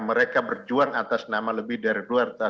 mereka berjuang atas nama lebih dari